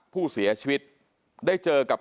ผู้เสียชีวิตได้เจอกับ